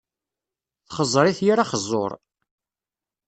Texẓer-it yir axeẓẓur.